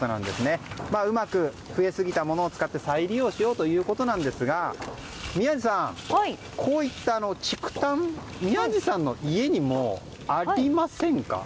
うまく増えすぎたものを使って再利用しようということですがこういった竹炭は宮司さんの家にもありませんか？